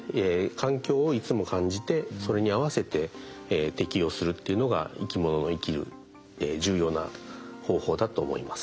環境をいつも感じてそれに合わせて適応するっていうのが生き物の生きる重要な方法だと思います。